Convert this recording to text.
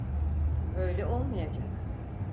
Öyle olmayacak.